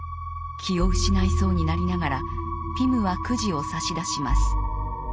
気を失いそうになりながらピムはくじを差し出します。